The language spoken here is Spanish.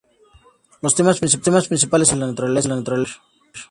Los temas principales son los viajes, la naturaleza y el mar.